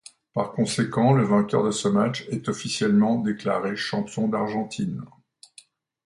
Par conséquent, le vainqueur de ce match est officiellement déclaré champion d'Argentine.